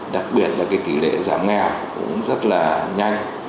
đặc biệt là tỷ lệ giảm nghèo cũng rất là nhanh